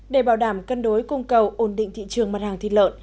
để bảo đảm cân đối cung cầu ổn định thị trường mặt hàng thịt lợn